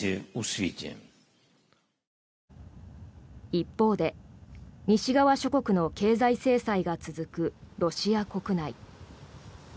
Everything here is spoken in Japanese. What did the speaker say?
一方で西側諸国の経済制裁が続くロシア国内。